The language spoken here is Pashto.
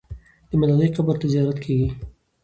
د ملالۍ قبر ته زیارت کېږي.